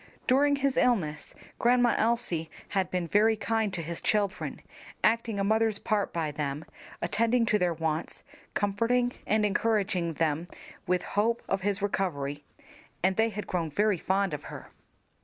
During his illness Grandma Elsie had been very kind to his children, acting a mother's part by them, attending to their wants, comforting and encouraging them with hope of his recovery, and they had grown very fond of her.